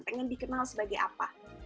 ingin dikenal sebagai apa